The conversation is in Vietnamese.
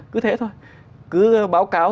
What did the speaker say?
cứ thế thôi cứ báo cáo